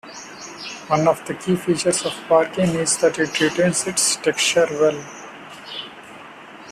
One of the key features of parkin is that it retains its texture well.